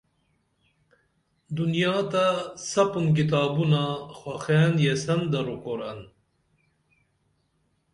دنیا تہ سپُں کتابونا خوخئین یسن درو قرآن